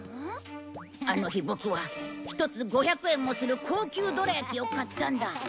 あの日ボクは１つ５００円もする高級どら焼きを買ったんだ。